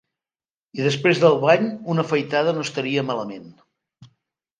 I després del bany, una afaitada no estaria malament.